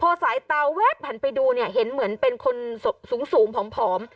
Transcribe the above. พอสายตาแว๊บหันไปดูเนี่ยเห็นเหมือนเป็นคนสูงผอม